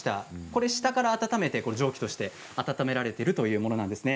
これ、下から温めて蒸気として温められているというものです。